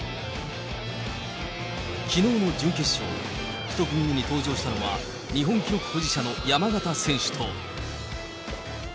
きのうの準決勝、１組目に登場したのは日本記録保持者の山縣選手と。